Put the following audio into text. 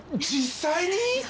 実際に！？